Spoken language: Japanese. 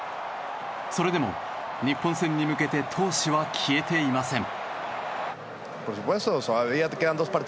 それでも日本戦に向けて闘志は消えていません。